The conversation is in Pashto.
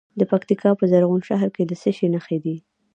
د پکتیکا په زرغون شهر کې د څه شي نښې دي؟